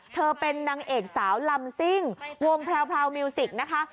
เธอเป็นนางเอกสาวลำซิ่งวงแพรวมิวสิกนะคะ